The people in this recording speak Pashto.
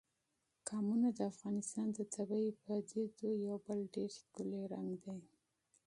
قومونه د افغانستان د طبیعي پدیدو یو بل ډېر ښکلی رنګ دی.